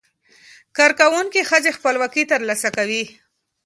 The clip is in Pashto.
کارکوونکې ښځې خپلواکي ترلاسه کوي.